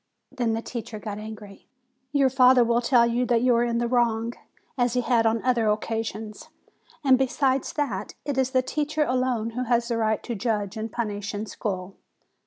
Then the teacher got angry. 'Your father will tell you that you are in the wrong, as he has on other occasions. And besides that, it is the teacher alone who has the right to judge and punish in school."